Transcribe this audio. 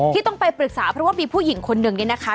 ที่ต้องไปปรึกษาเพราะว่ามีผู้หญิงคนหนึ่งเนี่ยนะคะ